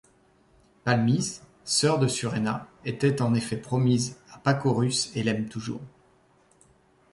Palmis, sœur de Suréna, était en effet promise à Pacorus et l'aime toujours.